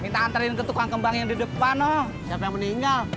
kita antarin ke tukang kembang yang di depan oh siapa yang meninggal